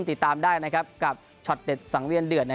ติดตามได้นะครับกับช็อตเด็ดสังเวียนเดือด